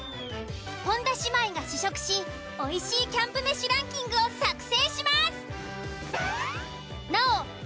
本田姉妹が試食しおいしいキャンプ飯ランキングを作成します。